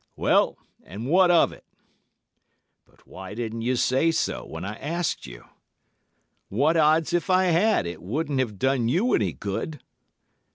"'Well, and what of it?' "'But why didn't you say so, when I asked you?' "'What odds if I had, it wouldn't have done you any good.